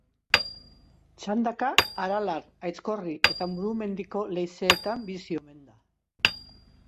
Txandaka Aralar, Aizkorri eta Murumendiko leizeetan bizi omen da.